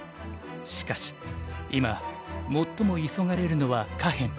しかし今最も急がれるのは下辺。